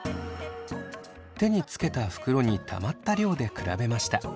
手につけた袋にたまった量で比べました。